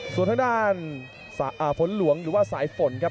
ส่วนทางด้านฝนหลวงหรือว่าสายฝนครับ